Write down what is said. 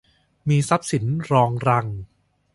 มีทรัพย์สินรองรัง